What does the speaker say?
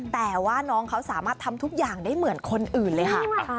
แต่ว่าน้องเขาสามารถทำทุกอย่างได้เหมือนคนอื่นเลยค่ะ